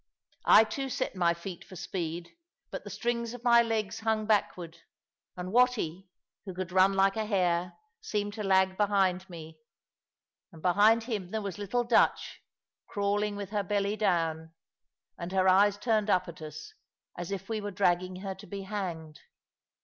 I too set my feet for speed, but the strings of my legs hung backward; and Watty, who could run like a hare, seemed to lag behind me. And behind him there was little Dutch, crawling with her belly down, and her eyes turned up at us, as if we were dragging her to be hanged.